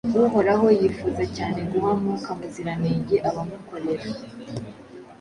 Uhoraho yifuza cyane guha Mwuka Muziranenge abamukorera